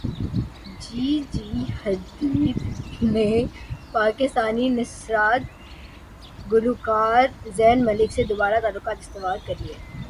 جی جی Hadid نے پاکستانی نژاد گلوکار زین ملک سے دوبارہ تعلقات استوار کرلیے